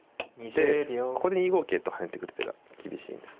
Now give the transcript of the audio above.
でここで２五桂と跳ねてくる手が厳しいんですね。